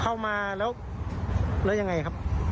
เข้ามาแล้วยังไงครับ